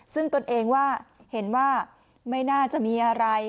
ซึ่งตนเองว่าเห็นว่าไม่น่าจะมีอะไร